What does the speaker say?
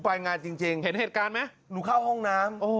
ไปงานจริงเห็นเหตุการณ์ไหม